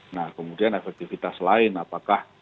nah kemudian efektivitas lain apakah